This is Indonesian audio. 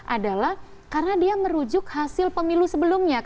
adalah karena dia merujuk hasil pemilu sebelumnya